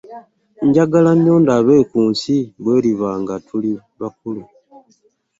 Njagala nnyo ndabe ku nsi bw'eriba nga tuli bakulu.